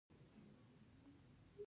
نورفولک ټاپو ته تبعید کېدل.